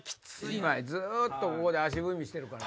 ずっとここで足踏みしてるから。